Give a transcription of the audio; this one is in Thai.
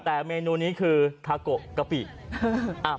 แต่เมนูนี้คือทักโกห์กะหริบ